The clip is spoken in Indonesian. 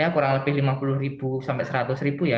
kurang lebih lima puluh seratus ribu ya